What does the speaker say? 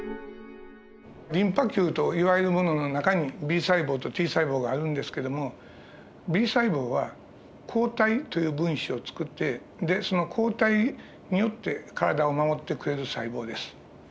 リンパ球といわれるものの中にＢ細胞とＴ細胞があるんですけどもＢ細胞は抗体という分子をつくってでその抗体によって体を守ってくれる細胞です。